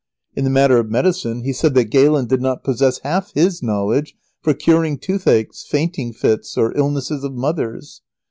In the matter of medicine he said that Galen did not possess half his knowledge for curing toothaches, fainting fits, or illnesses of mothers.